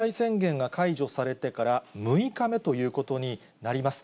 きょうは緊急事態宣言が解除されてから６日目ということになります。